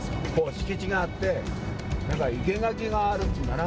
敷地があって、生け垣があるっていうんだな。